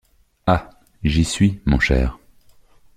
Ah! j’y suis, mon cher.